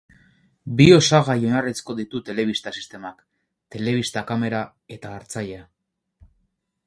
Bi osagai oinarrizko ditu telebista sistemak: telebista kamera eta hartzailea.